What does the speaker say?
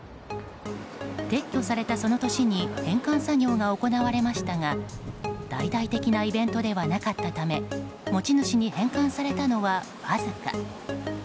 撤去された、その年に返還作業が行われましたが大々的なイベントではなかったため持ち主に返還されたのはわずか。